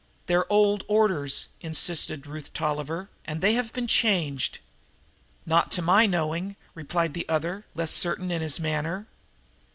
"They're old orders," insisted Ruth Tolliver, "and they have been changed." "Not to my knowing," replied the other, less certain in his manner.